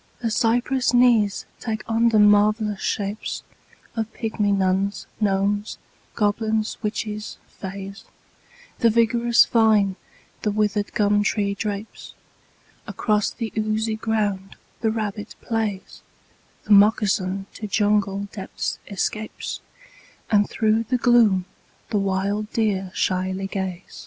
The cypress knees take on them marvellous shapes Of pygmy nuns, gnomes, goblins, witches, fays, The vigorous vine the withered gum tree drapes, Across the oozy ground the rabbit plays, The moccasin to jungle depths escapes, And through the gloom the wild deer shyly gaze.